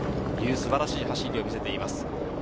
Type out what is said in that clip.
素晴らしい走りを見せています。